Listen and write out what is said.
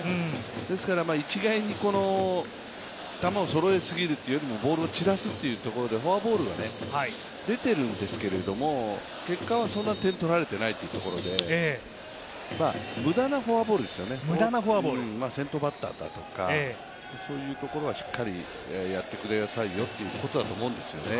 ですから一概に球をそろえすぎるというよりもボールを散らすというところでフォアボールが出てるんですけど結果はそんな点を取られていないというところで、無駄なフォアボールですよね、先頭バッターだとか、そういうところはしっかりやってくださいよということだと思うんですよね。